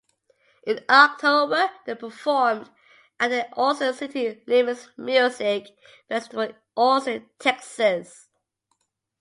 In October they performed at the Austin City Limits Music Festival in Austin, Texas.